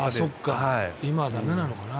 今は駄目なのかな。